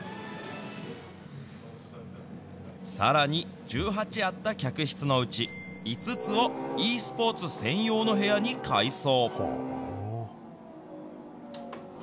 さらに、１８あった客室のうち、５つをｅスポーツ専用の部屋に改装。